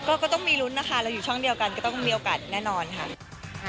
ก็ต้องมีลุ้นนะคะเราอยู่ช่องเดียวกันก็ต้องมีโอกาสแน่นอนค่ะ